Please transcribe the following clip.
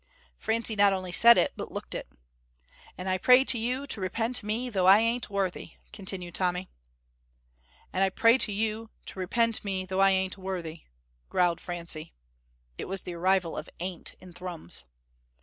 Francie not only said it, but looked it. "And I pray to you to repent me, though I ain't worthy," continued Tommy. "And I pray to you to repent me, though I ain't worthy," growled Francie. (It was the arrival of ain't in Thrums.)